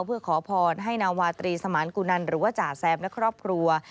เพื่อขอพรให้นาวาตรีสมานกุนันหรือว่าจ่าแซมและครอบครัว